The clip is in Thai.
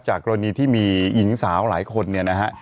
กรณีที่มีหญิงสาวหลายคนเนี่ยนะฮะ